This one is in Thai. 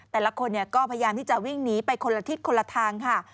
แต่ละคนก็พยายามที่จะวิ่งหนีไปคนละทิศคนละทางค่ะ